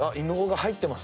入ってます。